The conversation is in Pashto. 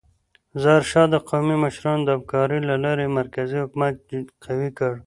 ظاهرشاه د قومي مشرانو د همکارۍ له لارې مرکزي حکومت قوي کړ.